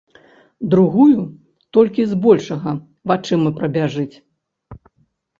Другую толькі збольшага вачыма прабяжыць.